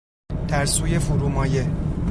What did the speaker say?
ترسوی فرومایه